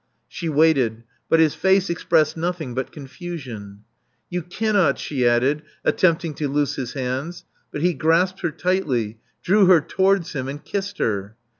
She waited; but his face expressed nothing but confusion. '*You cannot, she added, attempting to loose his hands. But he grasped her tightly; drew her towards him; and kissed her.